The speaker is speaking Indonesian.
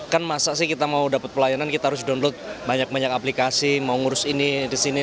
kan masa sih kita mau dapat pelayanan kita harus download banyak banyak aplikasi mau ngurus ini di sini